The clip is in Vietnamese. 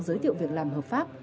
giới thiệu việc làm hợp pháp